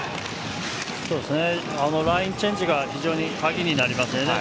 ラインチェンジが非常に鍵になりますね。